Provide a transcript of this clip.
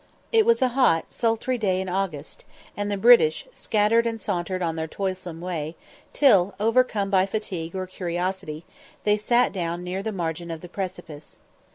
It was a hot, sultry day in August, and the British, scattered and sauntered on their toilsome way, till, overcome by fatigue or curiosity, they sat down near the margin of the precipice.